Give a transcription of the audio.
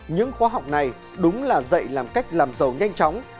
những khóa học này đúng là dạy làm cách làm giàu nhanh chóng